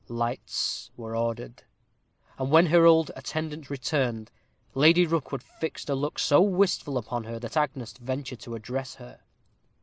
Lights were ordered; and when her old attendant returned. Lady Rookwood fixed a look so wistful upon her, that Agnes ventured to address her.